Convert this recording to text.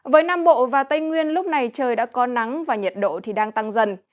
với nam bộ và tây nguyên lúc này trời đã có nắng và nhiệt độ thì đang tăng dần